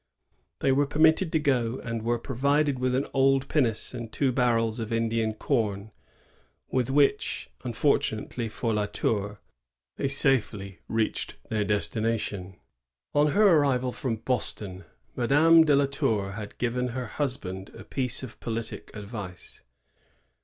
They were permitted to go, and were provided with an old pinnace and two barrels of Indian com, with which, unfortunately for La Tour, they safely reached their destination. On her arrival from Boston, Madame de la Tour had given her husband a piece of politic advice.